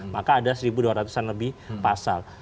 maka ada satu dua ratus an lebih pasal